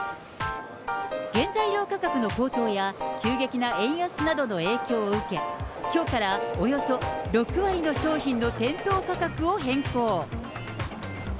原材料価格の高騰や、急激な円安などの影響を受け、きょうからおよそ６割の商品の店頭価格を変更。